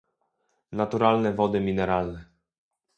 Naturalne wody mineralne